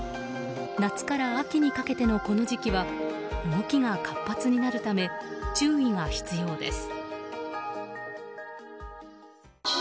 夏から秋にかけてのこの時期は動きが活発になるため注意が必要です。